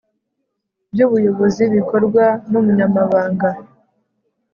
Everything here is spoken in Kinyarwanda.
By’ ubuyobozi bikorwa n’ umunyamabanga